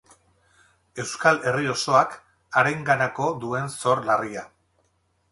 Euskal Herri osoak harenganako duen zor larria.